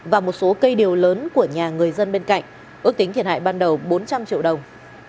và một số cây điều lớn của nhà người dân bên cạnh ước tính thiệt hại ban đầu bốn trăm linh triệu đồng